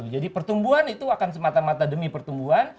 jadi pertumbuhan itu akan semata mata demi pertumbuhan